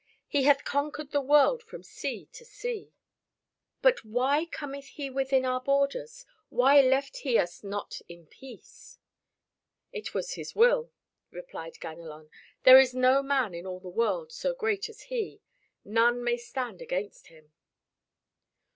"He hath conquered the world from sea to sea. But why cometh he within our borders? Why left he us not in peace?" "It was his will," replied Ganelon. "There is no man in all the world so great as he. None may stand against him."